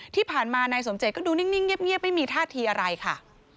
ที่ผ่านมานายสมเจตก็ดูนิ่งเงียบไม่มีท่าทีอะไรค่ะ